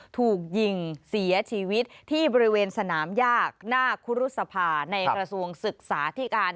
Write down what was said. ถูกยิงเสียชีวิตที่บริเวณสนามยากหน้าคุรุษภาในกระทรวงศึกษาที่การ